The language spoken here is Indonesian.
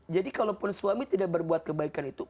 jadi kalau suami tidak berbuat kebaikan itu